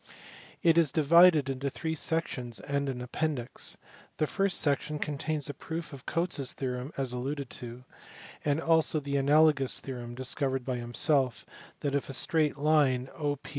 It is divided into three sections and an appendix. The first section contains a proof of Cotes s theorem above alluded to ; and also the analogous theorem (discovered by himself) that, if a straight line OP^^...